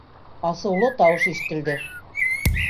Асыулы тауыш ишетелде.